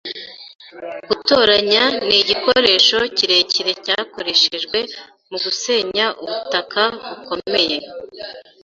Gutoranya nigikoresho kirekire cyakoreshejwe mugusenya ubutaka bukomeye.